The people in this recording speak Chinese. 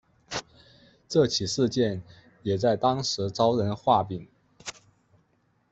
这起事件也在当时招人话柄。